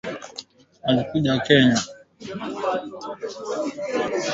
Kagame, "Rwanda wanajua kuhusu waasi kuwa ndani ya jeshi la Jamhuri ya Kidemokrasia ya Kongo "